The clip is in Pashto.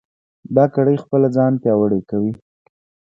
دا کړۍ خپله ځان پیاوړې کوي.